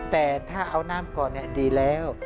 แต่ถ้าเอาน้ำก่อนดีแล้ว